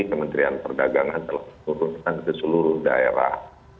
kementerian perdagangan telah menurunkan ke seluruh daerah